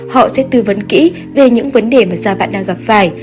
họ sẽ tư vấn kỹ về những vấn đề mà gia bạn đang gặp phải